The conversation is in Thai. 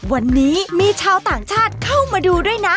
วันนี้มีชาวต่างชาติเข้ามาดูด้วยนะ